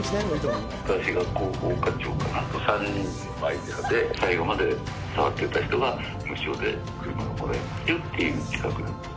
私が広報課長かな、３人のアイデアで、最後まで触ってた人が、無償で車がもらえるっていう企画だったんです。